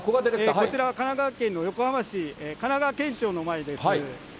こちらは神奈川県の横浜市、神奈川県庁の前です。